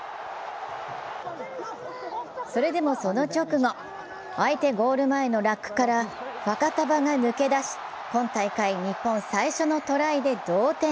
それでも、その直後、相手ゴール前のラックからファカタヴァが抜け出し、今大会日本最初のトライで同点。